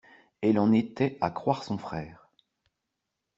Elle en était à croire son frère.